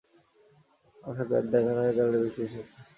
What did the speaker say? আমার সাথে ওর দেখা না হলেই ও বেশি ভালো থাকতো।